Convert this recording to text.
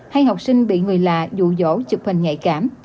hay học sinh bị người lạ dụ dỗ chụp hình nhạy cảm